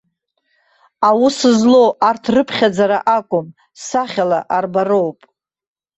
Аус злоу арҭ рыԥхьаӡара акәым, сахьала арбароуп.